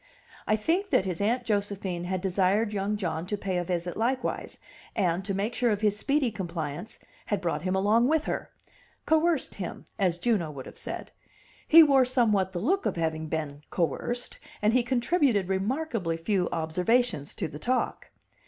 I think that his Aunt Josephine had desired young John to pay a visit likewise, and, to make sure of his speedy compliance, had brought him along with her coerced him, as Juno would have said. He wore somewhat the look of having been "coerced," and he contributed remarkably few observations to the talk.